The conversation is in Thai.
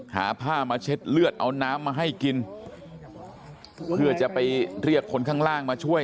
หาผ้ามาเช็ดเลือดเอาน้ำมาให้กินเพื่อจะไปเรียกคนข้างล่างมาช่วย